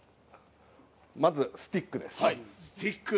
まずスティックです。